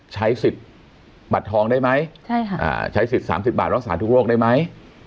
ใช้สิทธิ์บัตรทองได้ไหมใช้สิทธิ์๓๐บาทรักษาทุกโรคได้ไหม